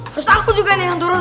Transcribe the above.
harus aku juga ini yang turun